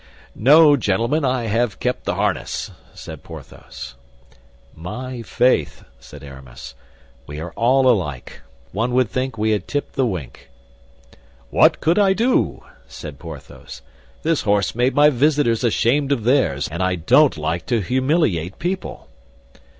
"No, gentlemen, I have kept the harness," said Porthos. "My faith," said Aramis, "we are all alike. One would think we had tipped the wink." "What could I do?" said Porthos. "This horse made my visitors ashamed of theirs, and I don't like to humiliate people."